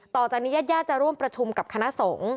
ต่อจากนี้ญาติญาติจะร่วมประชุมกับคณะสงฆ์